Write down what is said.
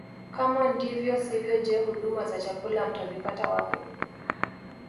Kama ndivyo sivyo je huduma za chakula mtazipata wapi